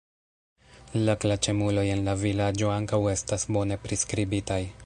La klaĉemuloj en la vilaĝo ankaŭ estas bone priskribitaj.